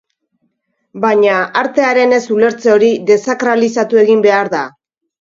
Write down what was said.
Baina, artearen ez-ulertze hori desakralizatu egin behar da.